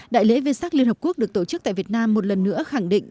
đại lễ vê sắc liên hợp quốc được tổ chức tại việt nam một lần nữa khẳng định